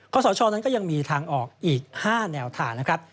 สชนั้นก็ยังมีทางออกอีก๕แนวทางนะครับ